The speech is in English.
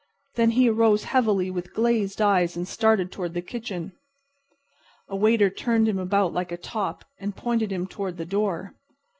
Then he arose heavily with glazed eyes and started toward the kitchen. A waiter turned him about like a top, and pointed him toward the door.